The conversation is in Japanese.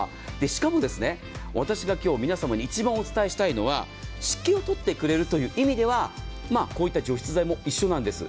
しかも私が今日、皆様に一番お伝えしたいのは、湿気を取ってくれるという意味ではこういった除湿剤も一緒なんです。